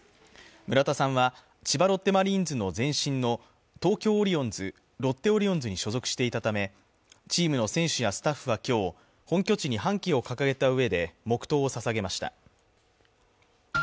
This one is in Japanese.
村田さんは、千葉ロッテマリーンズの前身の東京オリオンズ、ロッテオリオンズに所属していたため、チームの選手やスタッフは今日本拠地に半旗を掲げたうえで黙とうをささげました。